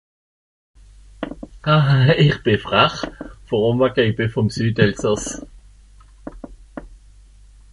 aha ich bi frach, worum, àlso ich bi vom Südelsàss